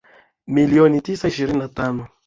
milioni tisa ishirini na tano